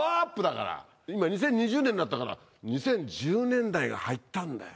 今２０２０年になったから２０１０年代が入ったんだよ。